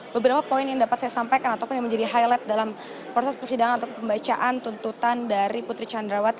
beberapa poin yang dapat saya sampaikan ataupun yang menjadi highlight dalam proses persidangan atau pembacaan tuntutan dari putri candrawati